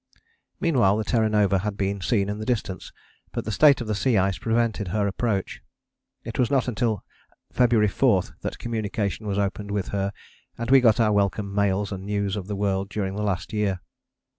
Meanwhile the Terra Nova had been seen in the distance, but the state of the sea ice prevented her approach. It was not until February 4 that communication was opened with her and we got our welcome mails and news of the world during the last year.